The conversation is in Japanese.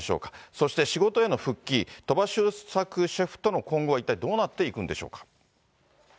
そして仕事への復帰、鳥羽周作シェフとの今後は一体どうなっていくんでしょうか。